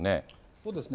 そうですね。